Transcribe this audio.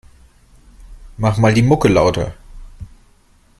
Mach mal die Mucke lauter.